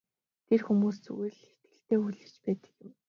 Тэр хүмүүс зүгээр л итгэлтэй хүлээж байдаг юм.